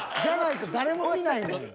じゃないと誰も見ないで。